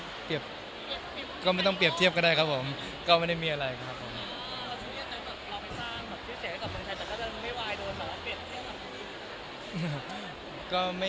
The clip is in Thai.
ก็ไม่ต้องเรียบเทียบก็ได้ครับผมก็ไม่ได้มีอะไรครับผม